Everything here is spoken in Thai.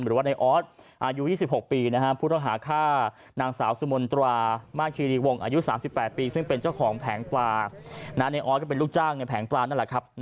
หรือว่าในออสอายุ๒๖ปีผู้ต้องหาฆ่านางสาวสุมนตรามาสคีรีวงอายุ๓๘ปีซึ่งเป็นเจ้าของแผงปลาในออสก็เป็นลูกจ้างในแผงปลานั่นแหละครับ